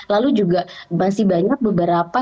lalu juga masih banyak beberapa